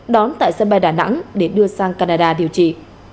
đón tại sân bay đà nẵng để đưa sang canada điều trị